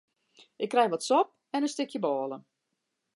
Ik krij wat sop en in stikje bôle.